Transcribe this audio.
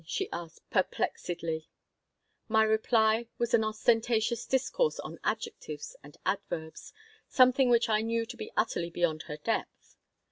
she asked, perplexedly My reply was an ostentatious discourse on adjectives and adverbs, something which I knew to be utterly beyond her depth.